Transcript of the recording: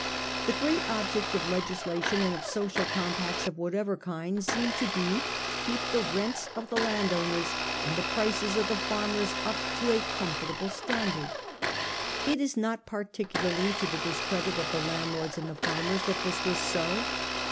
The great object of legisla tion and of social compacts of whatever kind seemed to be to keep the rents of the landowners and the prices of the farmers up to a comfortable standard. It is not particularly to the discredit of the landlords and the farmers that this was so.